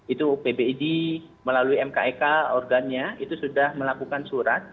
itu pbid melalui mkek organnya itu sudah melakukan surat